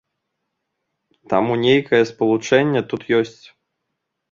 Таму нейкае спалучэнне тут ёсць.